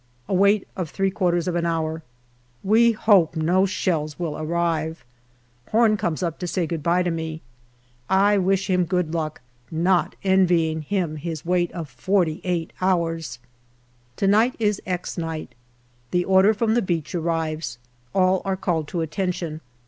A wait of three quarters of an hour. We hope no shells will arrive. Horn comes up to say good bye to me. I wish him good luck, not envying him his wait of forty eight hours. To night is " X " night. The order from the beach arrives. All are called to attention.